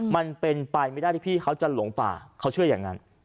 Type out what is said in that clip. มันเป็นไปไม่ได้ที่พี่เขาจะหลงป่าเขาเชื่ออย่างนั้น